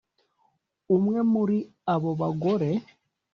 umwe muri abo bagore